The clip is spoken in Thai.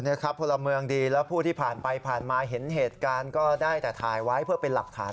พลเมืองดีแล้วผู้ที่ผ่านไปผ่านมาเห็นเหตุการณ์ก็ได้แต่ถ่ายไว้เพื่อเป็นหลักฐาน